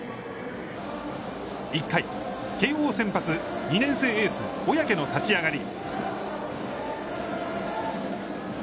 １回、慶応先発、２年生エース小宅の立ち上がり。